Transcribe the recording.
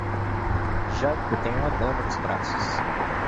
Janko tem uma dama nos braços.